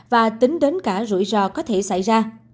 và tính đến cả rủi ro có thể xảy ra